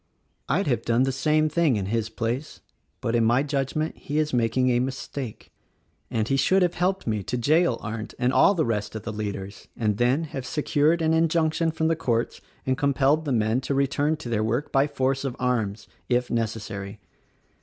"I'd have done the same thing in his place; but, in my judgment, he is making a mistake, and he should have helped me to jail Arndt and all the rest of the leaders, and then have secured an injunction from the courts and com pelled the men to return to their work by force of arms — if necessary.